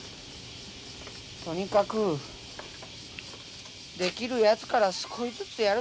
とにかくできるやつから少しずつやるしかなかろう。